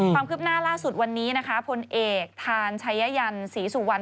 ความคืบหน้าล่าสุดวันนี้นะคะพลเอกทานชัยยันศรีสุวรรณ